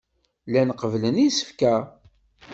Llan qebblen isefka.